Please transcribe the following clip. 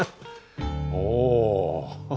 お。